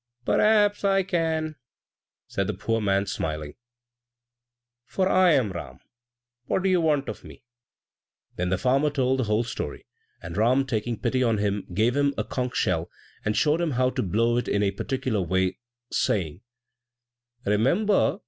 "Perhaps I can," said the poor man, smiling, "for I am Ram! What do you want of me?" Then the farmer told the whole story, and Ram, taking pity on him, gave him a conch shell, and showed him how to blow it in a particular way, saying, "Remember!